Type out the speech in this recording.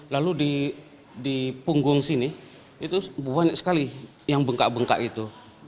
lalu di punggung sini itu banyak sekali yang bengkak bengkak itu